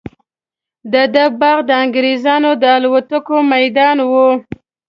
د ده باغ د انګریزانو د الوتکو میدان وو.